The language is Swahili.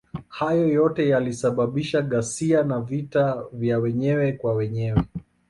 Hayo yote yalisababisha ghasia na vita ya wenyewe kwa wenyewe.